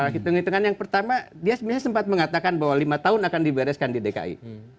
hitung hitungan yang pertama dia sebenarnya sempat mengatakan bahwa lima tahun akan dibereskan di dki